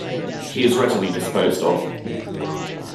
He is readily disposed of.